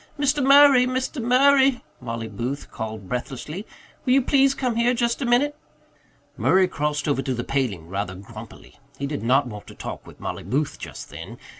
"Mr. Murray, Mr. Murray," Mollie Booth called breathlessly. "Will you please come here just a minute?" Murray crossed over to the paling rather grumpily. He did not want to talk with Mollie Booth just then.